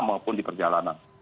maupun di perjalanan